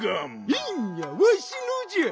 いんやわしのじゃ。